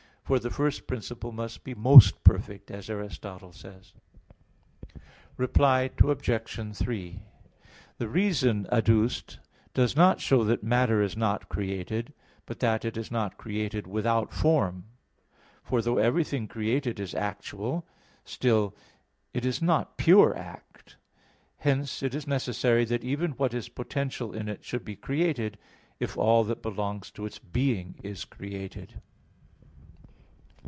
For the first principle must be most perfect, as Aristotle says (Metaph. xii, text 40). Reply Obj. 3: The reason adduced does not show that matter is not created, but that it is not created without form; for though everything created is actual, still it is not pure act. Hence it is necessary that even what is potential in it should be created, if all that belongs to its being is created.